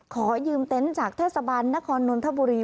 ขอยืมเต็นต์จากเทศบาลนครนนทบุรี